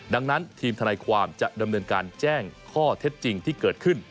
ดังนั้นทีมทนายความจะดำเนินการแจ้งข้อเท็จจริงที่เกิดขึ้น